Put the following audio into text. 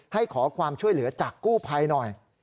ให้ขอความช่วยเหลือจากกู้ภัยหน่อย